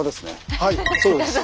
はいそうです。